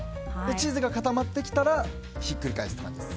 チーズが固まってきたらひっくり返す感じです。